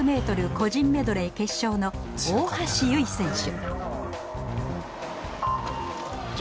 個人メドレー決勝の大橋悠依選手